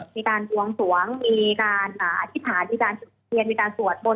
มีการบวงสวงมีการอธิษฐานมีการจุดเทียนมีการสวดบน